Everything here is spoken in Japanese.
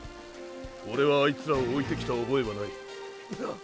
オレはあいつらを置いてきた覚えはない。